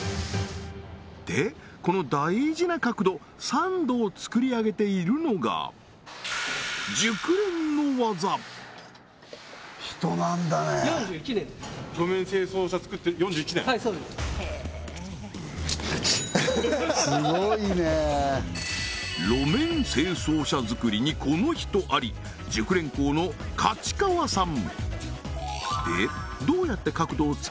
でこの大事な角度３度を作り上げているのが路面清掃車作りにこの人あり熟練工の勝川さん